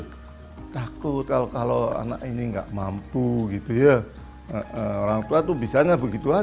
berdua tuh orang tua punya hanya mendoakan tapi hatinya tuh sangat rasa khawatir tuh